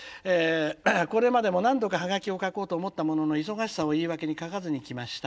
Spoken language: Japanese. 「これまでも何度かハガキを書こうと思ったものの忙しさを言い訳に書かずに来ました。